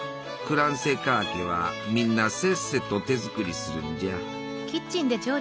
クランセカーケはみんなせっせと手作りするんじゃ。